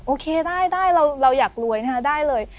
โอเคได้ได้เราอยากรวยนะฮะได้เลย